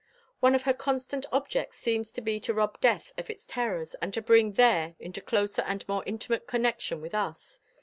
One of her constant objects seems to be to rob death of its terrors, and to bring the "There" into closer and more intimate connection with us.